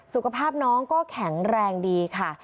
สุขภาพน้องก็แข็งแรงดีค่ะ